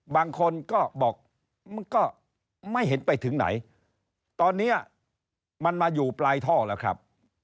บางคนก็บอกมันก็ไม่เห็นไปถึงไหนตอนนี้มันมาอยู่ปลายท่อแล้วครับ